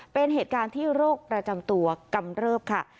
เป็นเหตุการณ์ที่โรคประจำตัวกำเริบค่ะ